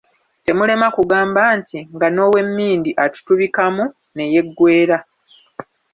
Temulema kugamba nti, nga n’owemmindi atutubikamu ne yeggweera.